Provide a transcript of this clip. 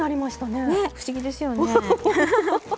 ね不思議ですよね。